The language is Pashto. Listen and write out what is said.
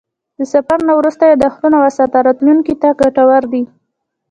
د سفر نه وروسته یادښتونه وساته، راتلونکي ته ګټور دي.